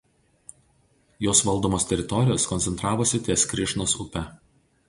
Jos valdomos teritorijos koncentravosi ties Krišnos upe.